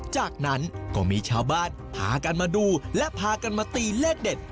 จากนั้นก็มีชาวบ้านพากันมาดูและพากันมาตีเลขเด็ด